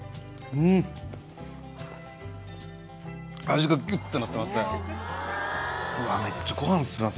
味がギュッてなってますねうわ